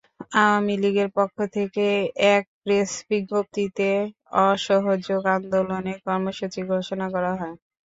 আওয়ামী লীগের পক্ষ থেকে এক প্রেস বিজ্ঞপ্তিতে অসহযোগ আন্দোলনের কর্মসূচি ঘোষণা করা হয়।